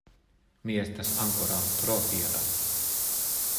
Mi estas ankoraŭ tro fiera!